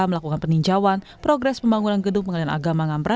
melakukan peninjauan progres pembangunan gedung pengadilan agama ngamra